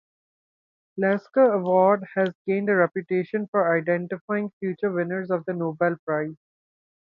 Lasker Award has gained a reputation for identifying future winners of the Nobel Prize.